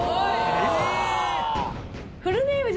え！